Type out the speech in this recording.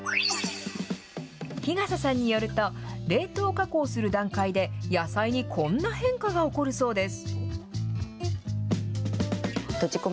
日笠さんによると、冷凍加工する段階で、野菜にこんな変化が起こるそうです。